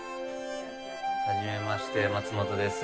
初めまして松本です。